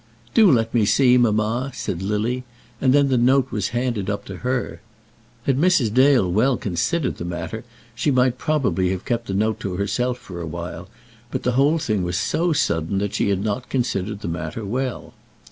"Do let me see, mamma," said Lily; and then the note was handed up to her. Had Mrs. Dale well considered the matter she might probably have kept the note to herself for a while, but the whole thing was so sudden that she had not considered the matter well.